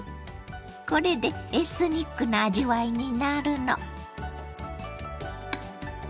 これでエスニックな味わいになるの。